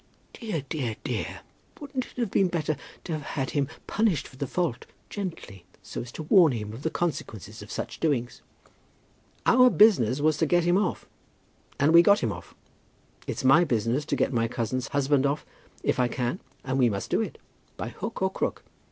"Dear, dear, dear! Wouldn't it have been better to have had him punished for the fault, gently; so as to warn him of the consequences of such doings?" "Our business was to get him off, and we got him off. It's my business to get my cousin's husband off, if I can, and we must do it, by hook or crook.